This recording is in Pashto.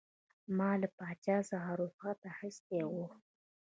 ما له پاچا څخه رخصت اخیستی وو.